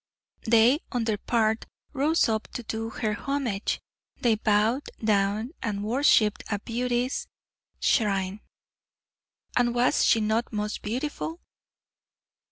They on their part rose up to do her homage; they bowed down and worshiped at beauty's shrine. And was she not most beautiful?